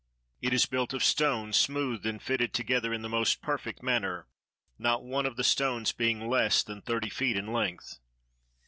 It is built of stone smoothed and fitted together in the most perfect manner, not one of the stones being less than thirty feet in length.